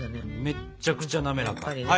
めっちゃくちゃなめらか。